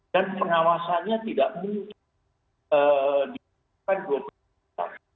dan pengawasannya tidak mungkin dikaitkan dengan perbatasan